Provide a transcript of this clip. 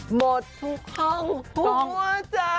หมดทุกห้องหัวใจ